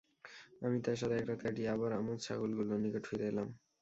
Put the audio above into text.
আমি তার সাথে এক রাত কাটিয়ে আবার আমার ছাগলগুলোর নিকট ফিরে এলাম।